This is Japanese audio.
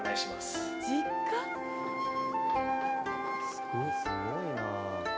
「すごい」「すごいな」